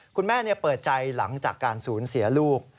คุณแม่เปิดใจหลังจากการสูญเสียลูก